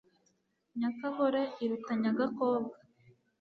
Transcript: nyakagore iruta nyagakobwa